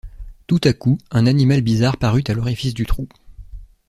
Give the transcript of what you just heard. Tout à coup, un animal bizarre parut à l’orifice du trou.